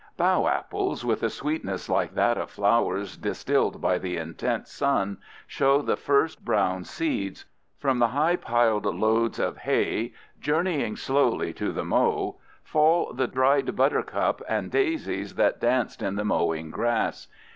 Bough apples, with a sweetness like that of flowers distilled by the intense sun, show the first brown seeds. From the high piled loads of hay journeying slowly to the mow fall the dried buttercups and daisies that danced in the mowing grass.